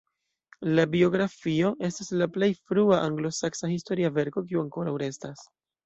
La biografio estas la plej frua anglosaksa historia verko kiu ankoraŭ restas.